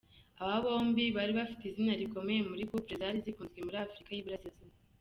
Aba bombi bari bafite izina rikomeye muri ‘couple’ zari zikunzwe muri Africa y’Iburasirazuba.